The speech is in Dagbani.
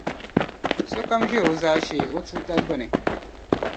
sokam ʒe o zaashee o tuuta gbini.